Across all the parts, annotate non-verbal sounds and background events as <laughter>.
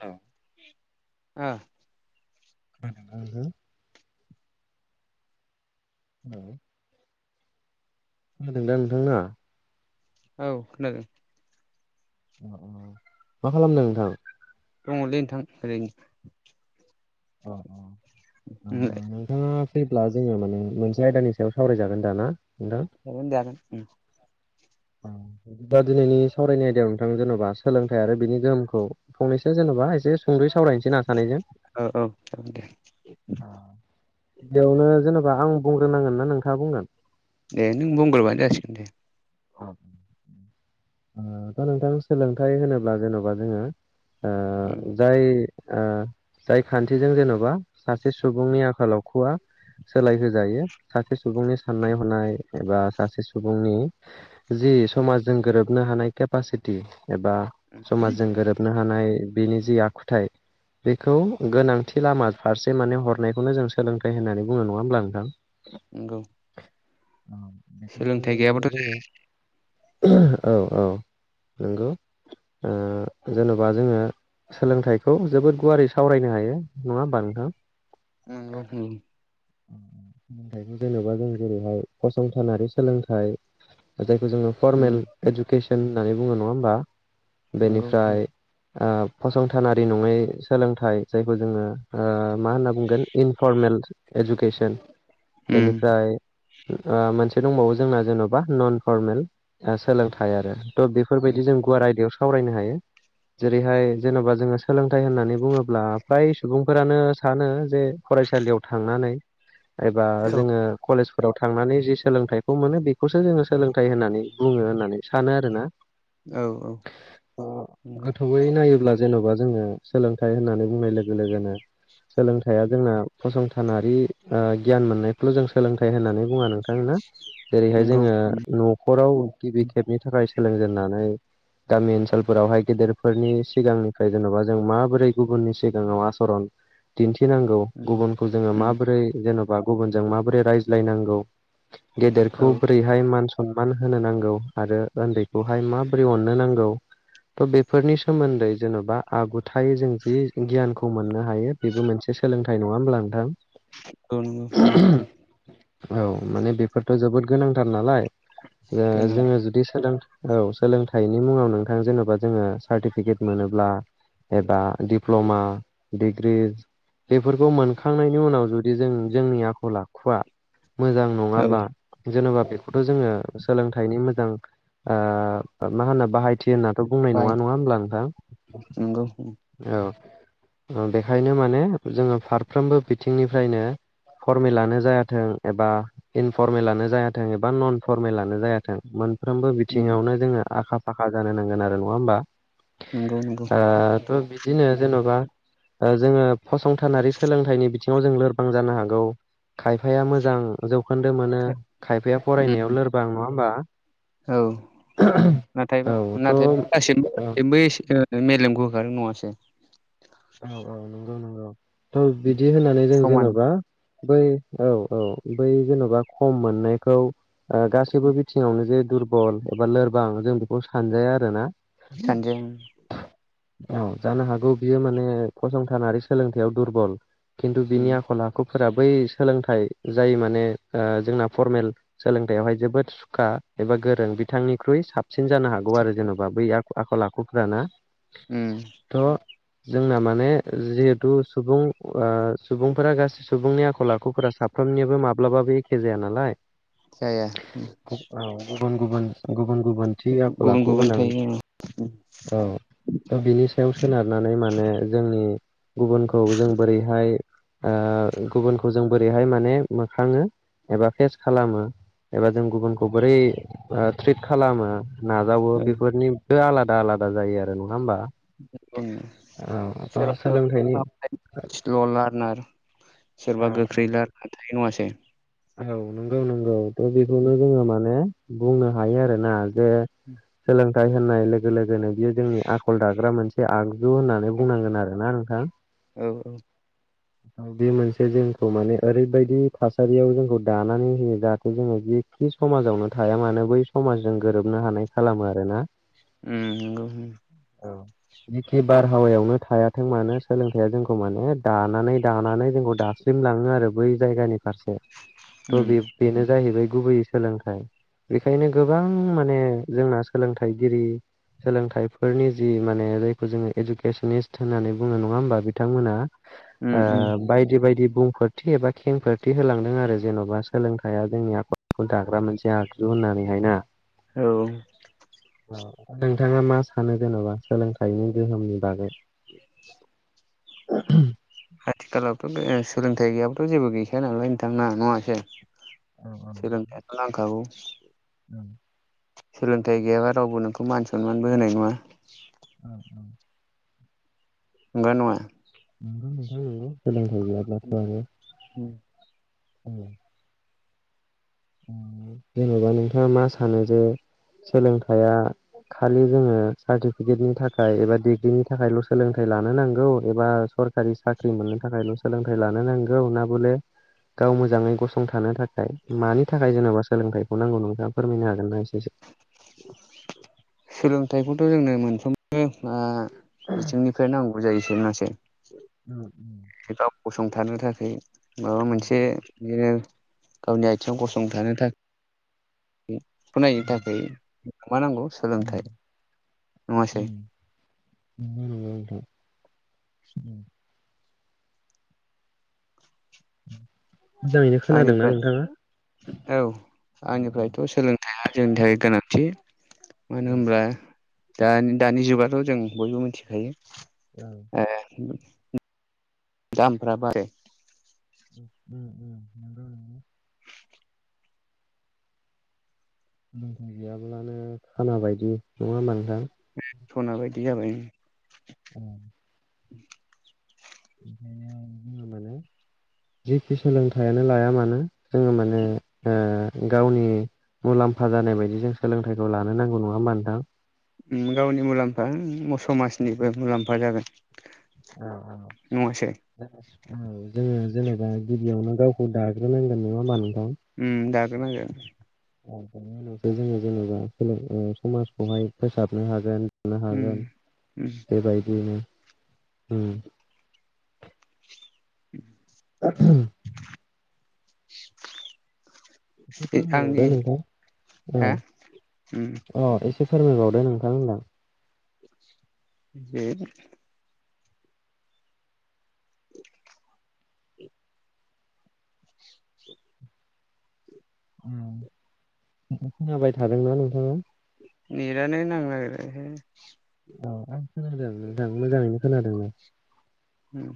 औ औ खाना हो होनदों दा नोंथां ना? औ खोनादों अ अ मा खालामदों नोंथां? दङलै नोंथां ओरैनो अ अ <unintelligible> फैब्ला जोङो माने मोनसे आयदानि सायाव सावरायजागोन दाना? नोंथां? जागोन दे हागोन ओं आ दा दिनैनि सावरायनाय आयदायाव नोंथां जेन'बा सोलोंथाइ आरो बिनि गोहोमखौ फंनैसो जेन'बा <unintelligible> एसे सुंदै सावरायसै ना? सानैजों औ औ औ दे बेयावनो जेनेबा आं बुंग्रोनांगोन ना नोंथाङा बुंगोन दे नों बुंग्रोबानो जासिगोन दे <unintelligible> <inaudible> दा नोंथां सोलोंथाइ होनोब्ला जेन'बा जोङो उम जाय ओ जाय खान्थिजों जेन'बा सासे सुबुंनि आखाल आखुआ सोलायहोजायो सासे सुबुंनि साननाय हनाय एबा सासे सुबुंनि जि समाजजों गोरोबनो हानाय केपासि एबा समाजजों गोरोबनो ह हानाय बिनि जि आखुथाय बेखौ गोनांथि लामा फारसे माने हरनायखौनो जों सोलोंथाइ होननानै बुङो नङा होमब्ला नोंथां? नंगौ औ बेखायनो सोलोंथाइ माने गैयाबाथ' जोङो औ औ नंगौ ओ जेन'बा जोङो सोलोंथाइखौ जोबोद गुवारै सावरायनो हायो नङा होमबा नोंथां? नंगौ उम <unintelligible> थायखौ जेनेबा जों जेरैहाय फसंथानारि सोलोंथाइ जाय जोङो उम फरर्मेल इडुकेसन होननानै बुङो नङा होमबा नंगौ बेनिफ्राय ओ फसंथानारि नङै सोलोंथाइ जायखौ जोङो मा होनना बुंगोन इनफरमेल इडुकेसन उम बेनिफ्राय मोनसे दंबावो जोंना जेन'बा नन फरमेल सोलोंथाइ आरो थ' उम बेफोरबायदि जों गुवार आयदायाव सावरायनो हायो जेरैहाय जेन'बा जोङो सोलोंथाइ होननानै बुङोब्ला फ्राय सुबुंफोरानो सानो जे फरायसालियाव थांनानै एबा औ जोङो कलेज फोराव थांनानै जि सोलोंथाइखौ मोनो बेखौसो जोङो सोलोंथाइ होननानै बुङो होननानै सानो आरोना औ औ नंगौ गोथौयै नायोब्ला जेन'बा जोङो सोलोंथाइ होननानै बुंनाय लोगो लोगोनो सोलोंथाइया जोंना फसंथानारि गियान ओ मोननायखौल' जों सोलोंथाइ होननानै बुङा नोंथां ना! जेरैहाय नंगौ जोङो उम न'खराव गिबि खेबनि थाखाय सोलोंजेननानै गामि ओनसोलफोरावहाय गेदेरफोरनि सिगांनिफ्राय जेन'बा जों माबोरै गुबुननि सिगाङाव आसरन दिन्थि लाखिनांगौ उम गुबुनखौ जोङो उम माबोरै जेन'बा गुबुनजों माबोरै रायज्लायनांगौ औ गेदेरखौ बोरैहाय मान सनमान होनो नांगौ औ आरो उन्दैखौहाय माबोरै अननो नांगौ थ' बेफोरनि सोमोन्दै जेन'बा आगुथायै जों जि गियानखौ मोननो हायो बेबो मोनसे सोलोंथाइ नङा होमब्ला नोंथां औ नंगौ औङ थ' जोबोद गोनांथार नालाय ओ गोनां जोङो जुदि सोलों औ सोलोंथाइनि मुङाव नोंथां जेन'बा जोङो सार्टिफिकेट मोनोब्ला एबा दिप्ल'मा डिग्रि बेफोरखौ मोनखांनायनि उनाव जुदि जों जोंनि आखल आखुवआ मोजां औ नङाब्ला जेन'बा बेखौथ' जोङो सोलों बेनि मोजां आ मा होनना बाहायथि दि होननाथ' बुंनाय बाय नङा नङा होमब्ला नोंथां? नंगौ उम औ ओ बेखायनो माने जोङो फारफ्रोमबो बिथिंनिफ्रायनो फरमेलानो जायाथों एबा इनफरमेलानो जायाथों एबा नन फरमेलानो जायाथों थों मोनफ्रोमबो उम बिथिङावनो जोङो आखा फाखा जानो नांगोन आरो नङा होमबा? नंगौ नंगौ ओ थ' बिदिनो जेन'बा ओ जोङो फसंथानारि सोलोंथाइनि बिथिङाव जों लोरबां जानो हागौ खायफाया मोजां जौखोन्दो मोनो खायफाया उम फरायनायाव लोरबां नङा होमबा? औ नाथाय औ थ' नाथाय ओ गासिनबो मेलेमखौ होखारो नङासो औ औ नंगौ नंगौ थ' बिदि होननानै जों समान जेन'बा बै औ औ बै जेन'बा खम मोननायखौ ओ गासैबो बिथिङावनो जे दुरबल एबा लोरबां जों बेखौ सानजाया आरो ना सानजों <unintelligible> औ जानो हागौ बियो माने ओ फसंथानारि सोलोंथाइयाव दुरबल खिन्थु बिनि उम आखल आखु फोर बै सोलोंथाइ जाय माने जोंना फरमेल सोलोंथाइयावहाय जोबोद सुखा एबा गोरों बिथांनिख्रुइ साब साबसिन जानो हागौ आरो जेन'बा बै आखल आखुफ्राना। उम थ' जोंना माने जिहेथु सुबुं सुबुंफोरा गासै सुबुंनि आखल आखुफोरा साफ्रोम यो माब्लाबाबो एखे जाया नालाय जाया औ गुबुन गुबुन गुबोनथि आखल गुबुन आखु गुबुन गोनां थायो औ औ थ' बिनि सायाव सोनारनानै माने जोंनि गुबुनखौ जों बोरैहाय गुबुनखौ जों बोरैहाय माने मोखाङो एबा फेस खालामो। एबा जों गुबुनखौ बोरै ट्रिट खालामो नाजावो बेफोरनिबो आलादा आलादा जायो आरो नङा होमबा? <unintelligible> औ आ सोरबा सोलोंथाइनि स्ल' लार्नार औ सोरबा औ गोख्रै लारा थाइ नङाासो औ नोंगौ नोंगौ थ औ बेबायदि जोङो माने बुंनो हायो। आरो ना बे सोलोंथाइ होननाय लोगो लोगोनो बियो जोंनि आखल दाग्रा मोनसे आ- जु होननानै बुंनांगोन आरोना नोंथां। औ उम औ बे मोनसे जोंखौ माने ओरैबायदि थासारियाव जोंखौ दानानै होयो जहाथे जोङो जिखि समाजावनो थाया मानो बै समाजजों गोरोबनो हानाय खालामो आरोना। उम नोगौं। जिखि बारहावायावनो थायाथों मानो सोलोंथाइया जोंखौ माने दा लानानै दानानै जोंखौ दासिम लाङो आरो बै जायगानि फारसे थ उम बेनो जाहैबाय गुबैयै सोलोंथाइ बेखायनो गोबां माने जोंना सोलोंथाइगिरि सोलोंथाइफोरनि जि माने जायखौ जोङो इडुकेसनिस् होननानै बुङो नङा होमबा बिथांमोना ओ उम बायदि बायदि बुंफोरथि एबा खेंफोरथि होलांदों आरो जेनबा सोलोंथाइया जोंनि आखलखौ दाग्रा मोनसे आगजु होननानैहायना। औ। औ नोंथाङा मा सानो जेनबा सोलोंथाइनि गोहोमनि बागै? <inaudible> <unintelligible> आथिखालावथ गो ओ सोलोंथाइ गैयाबाथ जेबो गैखाया नालाय नोंथां ना नङासो औ औ सोलोंथाइखौ नांखागौ <inaudible> सोलोंथाइ गैयाबा रावबो नोंखौ मान सनमानबो होनाय नङा। औ औ। नंगो ना नंआ? नोंगौ नोंथां नोंगौ सोलोंथाय गैयाब्लाथ'आरो उ। जेनेबा नोंथाङा मा सानो जे सोलोंथाया खालि जोङो सार्टिफिकेटनि थाखाय एबा डिग्रिनि थाखायल' सोलोंथाइ लानो नांगौ एबा सरखारि साख्रि मोननो थाखायल सोलोंथाइ लानो नांगौ ना बले गाव मोजाङै गसंथानो थाखाय मानि थाखाय? जेन'बा सोलोंथाइखौ नांगौ नोंथाङा फोरमायनो हागोन न एसे? सोलोंथाइखौथ जोंनो मोनफ्रोमबो ओ बिथिंनिफ्राय नांगौ जायोस मोसे ओम' ओम गसंथानो थाखाय माबा मोनसे बिदिनो गावनि आथिङाव गसंथानो थाख फरायनो थाखै मा नांगौ सोलोंथाइ नङासै। नंगौ नामा नोंथां। उम मोजाङैनो खोनादोंना नोंथाङा आंनिफ्राय औ आंनिफ्रायथ' सोलोंथाइया जोंनि थाखाय गोनांथि मानो होमब्ला दानि दानि जुगाथ' जों बयबो मिथिखायो दामफ्रा बाराय उम उम नंगौ नंगौ। सोलोंथाइ गैयाब्लानो खाना बायदि नङा होनबा नोथां? सना बायदि जाबाय। औ <inaudible> बेखायनो <unintelligible> जिखि सोलोंथाइयानो लाया मानो जोङो माने ओ गावनि मुलाम्फा जानाय बायदि जों सोलोंथाइखौ लानो नांगौ नङा होमबा नोंथां। उम गावनि मुलाम्फायानो समाजनिबो मुलाम्फा जागोन। औ औ नङासै जोङो उम जोंनि जेनेबा गिबियावनो गावखौ दाग्रोनांगोन नङा होनबा नों उम दाग्रो नांगोन। <unintelligible> जोङो जेनेबा ओ समाजखौहाय फोसाबनो हागोन। थानो हागोन बेबायदियैनो उम <inaudible> एसे आंनि फोरमायबावदो नोंथां औ हा अ एसे फोरमायबावदो नोंथां होनदां। जे <inaudible> उम एसे खोनाबाय थादोंना नोंथां। नेटआनो नांनो नागिराखैलै। औ आं खोनादों नोंथां मोजाङैनो खोनादोंमोन। ओम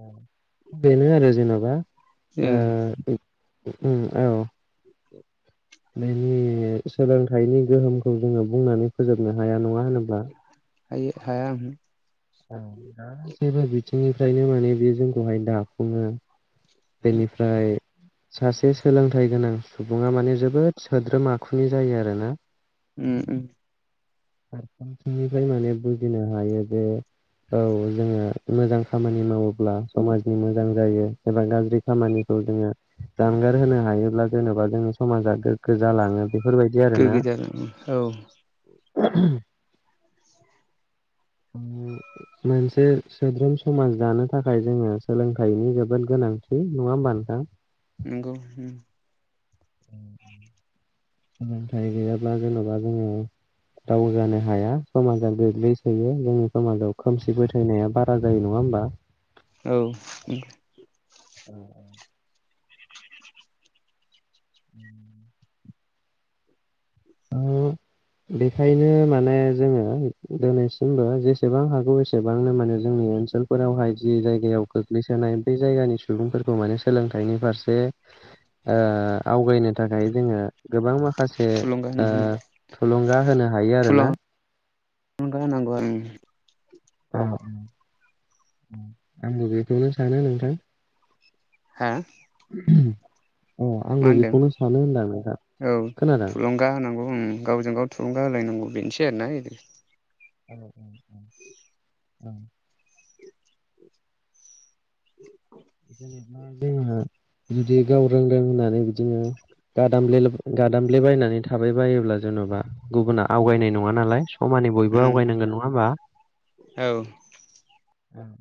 अ बेनो आरो जेनबा जों ओ ओ औ अ <inaudible> बेनि सोलोंथाइनि गोहोमखौ जोङो बुंनानै फोजोबनो हाया नङा होनोब्ला ओ हाया उमहो औ गासैबो बिथिंनिफ्रायनो माने बे जोंखौहाय दाफुङो। बेनिफ्राय सासे सोलोंथाइ गोनां सुबुङा माने जोबोद सोद्रोम आखुनि जायो आरो ना। उम उम फारफ्रोमथिंनिफ्राय माने बुजिनो हायो जे औ जोङो मोजां खामानि मावोब्ला समाजनि मोजां जायो एबा गाज्रि बे खामानिखौ जोङो जानगार होनो हायोब्ला जेन'बा जोङो समाजा गोग्गो जालाङो। बेफोरबायदि आरोना गोग्गो जागोन ओं औ <inaudible> मोनसे सोद्रोम समाज दानो थाखाय जोङो सोलोंथाइनि जोबोद गोनां है नङा होनबा नोंथां नोंगौ ओं नाथाइ गैयाब्ला जेनेबा जोङो दावगानो हाया समाजा गोग्लैसोयो जोंनि समाजाव खोमसि फोथायनाया बारा जायो नङा होमबा औ नंगौ। औ औ <inaudible> औ बेखायनो माने जोङो दिनैसिमबो जेसेबां हागौ एसेबांनो माने जोंनि ओनसोलफोरावहाय जि जायगायाव गोग्लैसोनाय बे जायगानि सुबुंफोरखौ माने सोलोंथाइनि फारसे ओ आवगायनो थाखाय जोङो गोबां माखासे थुलुंगा ओ उमहो थुलुंगा होनो हायो आरोना। <unintelligible> उम अ आंबो बेखौनो सानो नोंथां। हा अ मा आंबो होनदों बेखौनो सानो होनदां नोंथां खोनादों? ओं गावजों गाव थुलुंगा होलायनांगौ बेनोसै आरोना इदि। औ औ औ <unintelligible> जुदि गाव रोंदों होननानै बिदिनो गादामले गादामब्ले बायनानै थाबाय बायोब्ला जेन'बा गुबुना आवगायनाय नङा नालाय। थामाने बयबो उम आवगायनांगोन नङा होमबा? औ